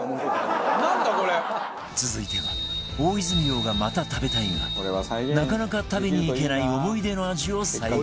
続いては大泉洋がまた食べたいがなかなか食べに行けない思い出の味を再現